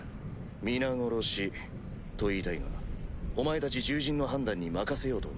皆殺しと言いたいがお前たち獣人の判断に任せようと思う。